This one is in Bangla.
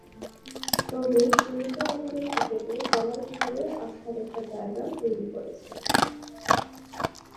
তবে সীমিত ওভারের ক্রিকেটে বোলার হিসেবেও আস্থার একটা জায়গা তৈরি করেছেন।